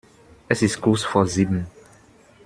Es ist kurz vor sieben.